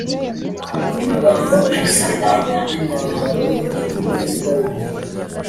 kuramba ubuzima bwimyambaro ye n imyenda ye